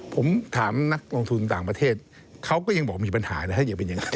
ผมถามนักลงทุนต่างประเทศเขาก็ยังบอกมีปัญหานะอย่าเป็นอย่างนั้น